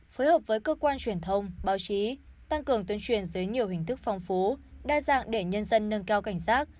phối hợp với cơ quan truyền thông báo chí tăng cường tuyên truyền dưới nhiều hình thức phong phú đa dạng để nhân dân nâng cao cảnh giác